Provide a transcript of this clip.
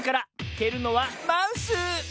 けるのはマウス！